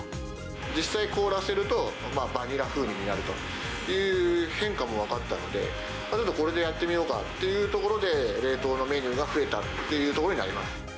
実際凍らせると、バニラ風味になるという変化も分かったので、これでやってみようかっていうところで、冷凍のメニューが増えたっていうところになります。